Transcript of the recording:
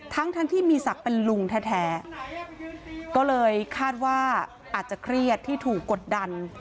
ทั้งทั้งที่มีศักดิ์เป็นลุงแท้ก็เลยคาดว่าอาจจะเครียดที่ถูกกดดัน